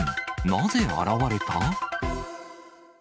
なぜ現れた？